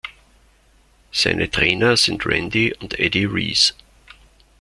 Seine Trainer sind Randy und Eddie Reese.